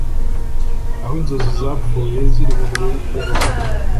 aho inzozi zapfuye ziri kure ya rubanda